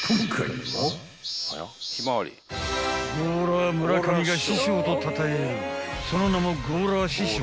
［ゴーラー村上が師匠とたたえるその名もゴーラー師匠］